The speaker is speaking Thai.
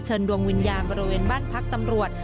ดวงวิญญาณบริเวณบ้านพักตำรวจ